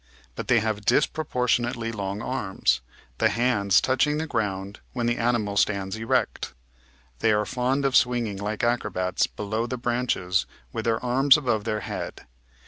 But they have disproportionately long arms, the hands touching the ground when the animal stands erect. They are fond of swinging like acrobats below the branches with their arms above their head.